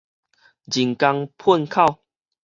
人工糞口